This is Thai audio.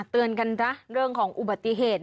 เตือนกันนะเรื่องของอุบัติเหตุ